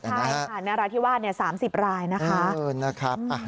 ใช่ค่ะนราธิวาส๓๐ราย